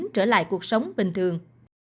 trở lại cuộc sống bình thường